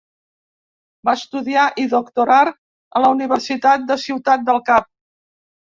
Va estudiar i doctorar a la Universitat de Ciutat del Cap.